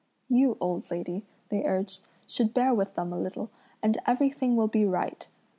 "You, old lady," they urged, "should bear with them a little, and everything will be right!"